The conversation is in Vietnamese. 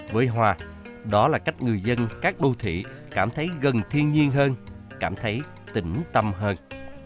với hoa đó là cách người dân các đô thị cảm thấy gần thiên nhiên hơn cảm thấy tỉnh tâm hơn